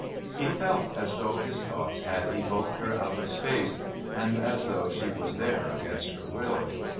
He felt as though his thoughts had evoked her out of space, and as though she was there against her will.